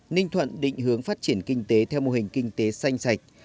ninh thuận định hướng phát triển kinh tế theo mô hình kinh tế xanh sạch